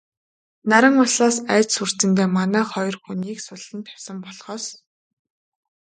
Наран улсаас айж сүрдсэндээ манай хоёр хүнийг суллан тавьсан болохоос...